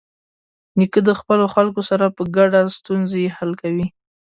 نیکه د خپلو خلکو سره په ګډه ستونزې حل کوي.